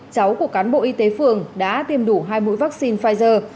cháu của cán bộ y tế phường đã tiêm đủ hai mũi vaccine pfizer